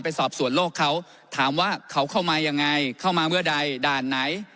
สอบสวนโลกเขาถามว่าเขาเข้ามายังไงเข้ามาเมื่อใดด่านไหน